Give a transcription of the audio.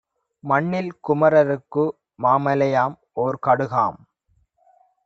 மண்ணில் குமரருக்கு மாமலையும் ஓர்கடுகாம்.